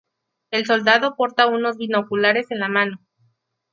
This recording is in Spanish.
El soldado porta unos binoculares en la mano.